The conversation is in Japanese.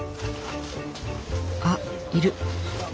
あっいる。